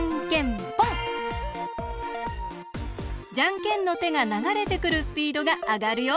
じゃんけんのてがながれてくるスピードがあがるよ。